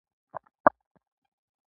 غلط فهمي موجوده وه.